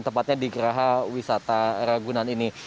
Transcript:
tepatnya di geraha wisata ragunan ini